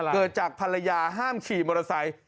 เกิดจากภรรยาห้ามขี่มอเตอร์ไซค์